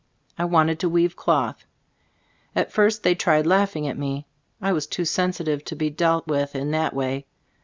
I wanted to weave cloth. At first they tried laughing at me. I was too sensitive to be dealt with in that way.